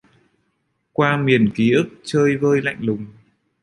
Qua miền ký ức chơi vơi lạnh lùng